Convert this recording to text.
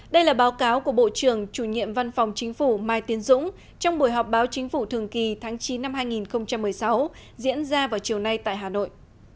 đây là báo cáo của bộ trưởng chủ nhiệm văn phòng chính phủ mai tiến dũng trong buổi họp báo chính phủ thường kỳ tháng chín năm hai nghìn một mươi sáu diễn ra vào chiều nay tại hà nội